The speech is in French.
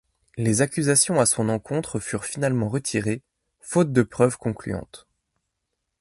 Les accusations à son encontre furent finalement retirées, faute de preuves concluantes.